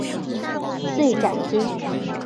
遂斩之。